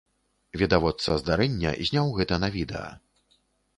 Відавочца здарэння зняў гэта на відэа.